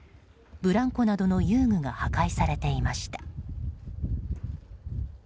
ブランコなどの遊具が破壊されていました。